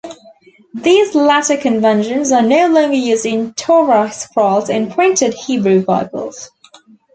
These latter conventions are no longer used in Torah scrolls and printed Hebrew Bibles.